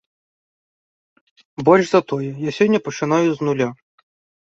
Больш за тое, я сёння пачынаю з нуля.